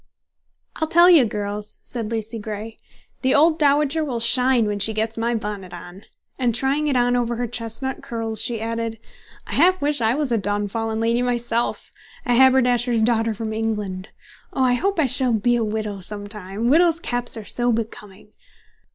"I'll tell you, girls," said Lucy Grey, "the old dowager will shine when she gets my bonnet on!" and trying it on over her chestnut curls, she added, "I half wish I was a downfallen lady myself, a haberdasher's daughter from England! Oh, I hope I shall be a widow some time! Widows' caps are so becoming!"